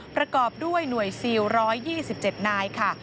ประกอบด้วยหน่วยซิล๑๒๗นายค่ะ